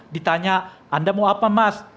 ditanya anda mau apa mas